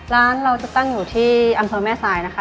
ร้านเราจะตั้งอยู่ที่อำเภอแม่สายนะคะ